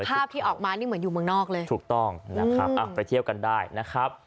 ภาพที่ออกมานี่เหมือนอยู่เมืองนอกเลยถูกต้องนะครับไปเที่ยวกันได้นะครับ